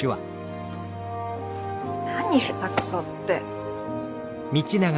何下手くそって。